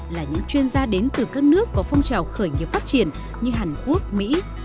là những chuyên gia đến từ các nước có phong trào khởi nghiệp phát triển như hàn quốc mỹ